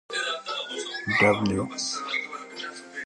W